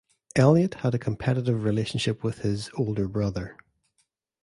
Elliott had a competitive relationship with his older brother.